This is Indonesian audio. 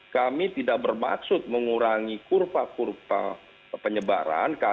kami tidak bermaksud mengurangi kurva kurva penyebaran